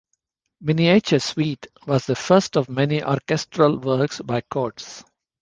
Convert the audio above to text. "Miniature Suite" was the first of many orchestral works by Coates.